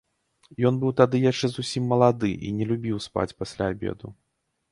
Ён быў тады яшчэ зусім малады і не любіў спаць пасля абеду.